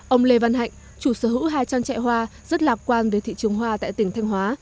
ông lê văn hạnh chủ sở hữu hai trang trại hoa rất lạc quan về thị trường hoa tại tỉnh thanh hóa